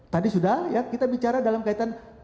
tadi sudah ya kita bicara dalam kaitan